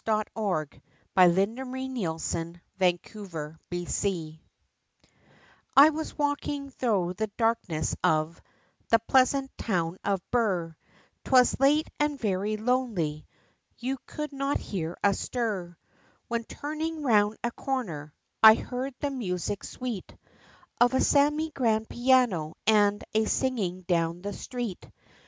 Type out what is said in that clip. [Illustration: THE SEMI GRAND PIANO] I WAS walking thro' the darkness of The pleasant town of Birr, 'Twas late, and very lonely, You could not hear a stir When turning round a corner, I heard the music sweet, Of a semi grand piano, and a singing down the street.